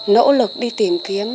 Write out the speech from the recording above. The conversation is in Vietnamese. nỗ lực đi tìm kiếm